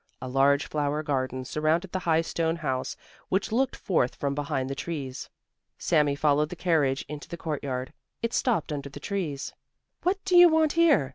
A large flower garden surrounded the high stone house, which looked forth from behind the trees. Sami followed the carriage into the courtyard. It stopped under the trees. "What do you want here?